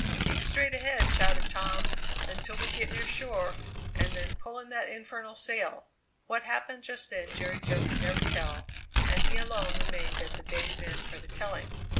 "Keep straight ahead," shouted Tom, "until we get near shore, and then pull in that infernal sail!" What happened just then Jerry Jo could never tell, and he alone remained at the day's end for the telling!